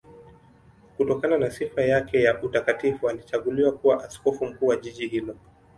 Kutokana na sifa yake ya utakatifu alichaguliwa kuwa askofu mkuu wa jiji hilo.